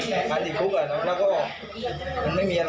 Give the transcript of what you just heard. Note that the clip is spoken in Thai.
ไม่มีมือทำอย่างนี้อ่ะ